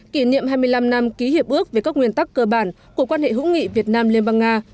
kỷ niệm hai mươi năm năm ký hiệp ước về các nguyên tắc cơ bản của quan hệ hữu nghị việt nam liên bang nga